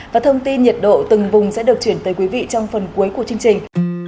và thông tin nhiệt độ từng vùng sẽ được chuyển tới quý vị trong phần cuối của chương trình